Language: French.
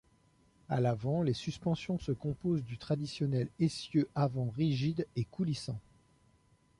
À l’avant, les suspensions se composent du traditionnel essieu avant rigide et coulissant.